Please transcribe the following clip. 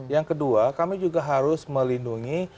yang kedua kami juga harus melindungi